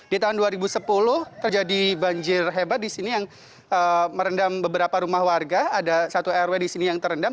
di tahun dua ribu sepuluh terjadi banjir hebat di sini yang merendam beberapa rumah warga ada satu rw di sini yang terendam